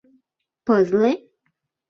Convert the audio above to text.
— Пызле?